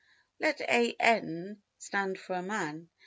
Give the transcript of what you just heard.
8. Let An stand for a man.